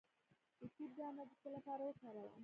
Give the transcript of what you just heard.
د توت دانه د څه لپاره وکاروم؟